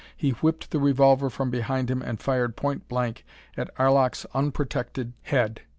He whipped the revolver from behind him and fired point blank at Arlok's unprotected head.